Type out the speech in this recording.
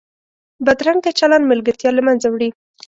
بدرنګه چلند ملګرتیا له منځه وړي